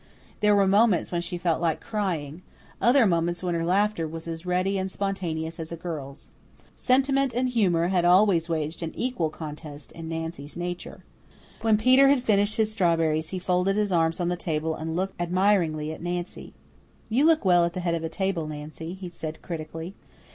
There were moments when she felt like crying other moments when her laughter was as ready and spontaneous as a girl's. Sentiment and humour had always waged an equal contest in Nancy's nature. When Peter had finished his strawberries he folded his arms on the table and looked admiringly at Nancy. "You look well at the head of a table, Nancy," he said critically.